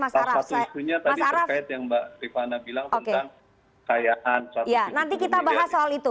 mas araf nanti kita bahas soal itu